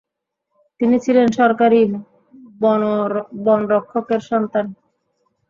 তিনি ছিলেন সরকারি বনরক্ষকের সন্তান।